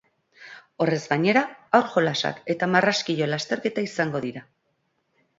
Horrez gainera, haur jolasak eta marraskilo lasterketa izango dira.